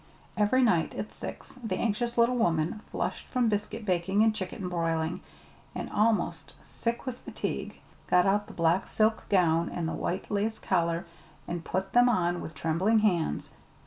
Every night at six the anxious little woman, flushed from biscuit baking and chicken broiling and almost sick with fatigue, got out the black silk gown and the white lace collar and put them on with trembling hands.